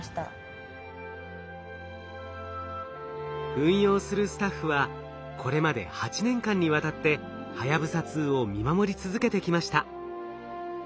運用するスタッフはこれまで８年間にわたってはやぶさ２を見守り続けてきました。